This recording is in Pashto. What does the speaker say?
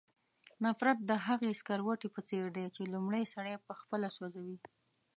نفرت د هغې سکروټې په څېر دی چې لومړی سړی پخپله سوځوي.